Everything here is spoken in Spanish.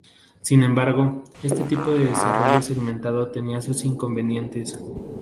Sin embargo, este tipo de desarrollo segmentado tenía sus inconvenientes.